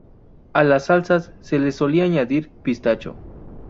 A las salsas se les solía añadir pistacho.